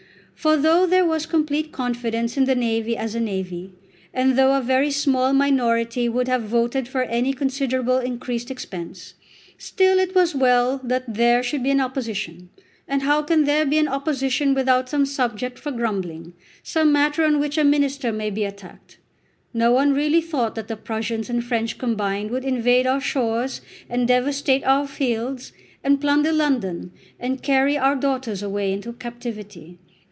For though there was complete confidence in the navy as a navy, and though a very small minority would have voted for any considerably increased expense, still it was well that there should be an opposition. And how can there be an opposition without some subject for grumbling, some matter on which a minister may be attacked? No one really thought that the Prussians and French combined would invade our shores and devastate our fields, and plunder London, and carry our daughters away into captivity.